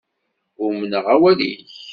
Umneɣ awal-ik.